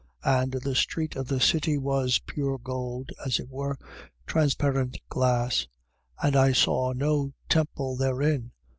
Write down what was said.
And the street of the city was pure gold, as it were, transparent glass. 21:22. And I saw no temple therein.